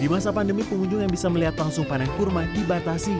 di masa pandemi pengunjung yang bisa melihat langsung panen kurma dibatasi